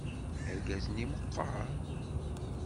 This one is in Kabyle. Argaz-nni meqqeṛ.